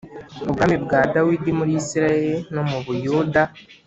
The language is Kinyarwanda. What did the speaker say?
Ubwami bwa Dawidi muri Isirayeli no mu Buyuda